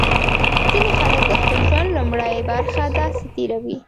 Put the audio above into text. ځینې خلک د خپل ژوند لومړۍ برخه داسې تېروي.